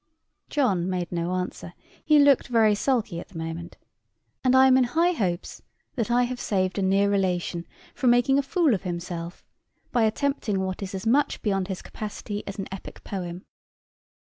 John made no answer, he looked very sulky at the moment, and I am in high hopes that I have saved a near relation from making a fool of himself by attempting what is as much beyond his capacity as an epic poem.